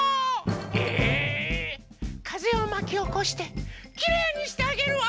えっ⁉かぜをまきおこしてきれいにしてあげるわ！